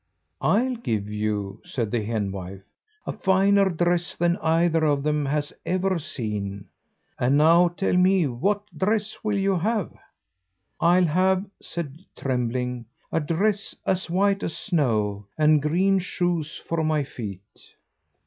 "I'll give you," said the henwife, "a finer dress than either of them has ever seen. And now tell me what dress will you have?" "I'll have," said Trembling, "a dress as white as snow, and green shoes for my feet."